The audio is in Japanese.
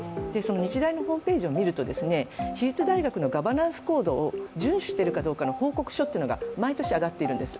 日大のホームページを見ると私立大学のガバナンスコードを順守しているかどうかの報告書っていうのが毎年上がっているんです。